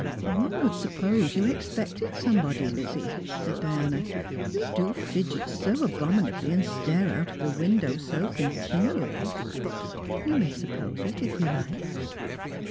" One would suppose you expected somebody, Lizzie," said Diana; "you do fidget so abominably, and stare out of the window so continually." " You may suppose it, if you like."